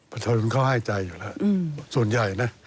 ประชาชนเขาให้ใจอยู่แล้วส่วนใหญ่นะ